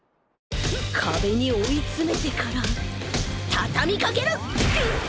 かべにおいつめてからたたみかける！